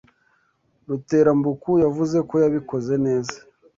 Ruterambuku yavuze ko yabikoze neza